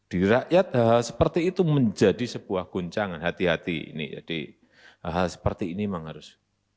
di rakyat hal seperti itu menjadi sebuah guncangan hati hati ini jadi hal hal seperti ini memang harus